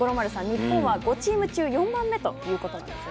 日本は５チーム中４番目ということなんですよね。